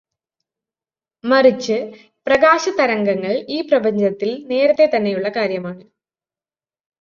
മറിച്ച്, പ്രകാശതരംഗങ്ങൾ ഈ പ്രപഞ്ചത്തിൽ നേരത്തെ തന്നെയുള്ള കാര്യമാണ്.